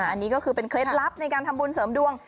อันนี้ก็คือเป็นเคล็ดลับในการทำบุญเสริมดวง